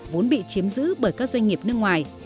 vốn bị chiếm giữ bởi các doanh nghiệp nước ngoài